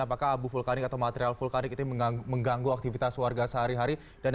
apakah abu vulkanik atau material vulkanik ini mengganggu aktivitas warga sehari hari